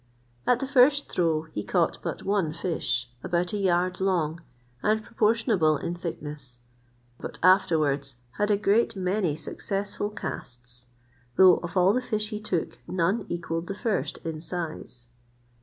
At the first throw he caught but one fish, about a yard long, and proportionable in thickness; but afterwards had a great many successful casts; though of all the fish he took none equalled the first in size.